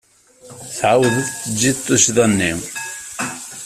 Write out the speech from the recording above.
Tɛawdeḍ tgiḍ tuccḍa-nni.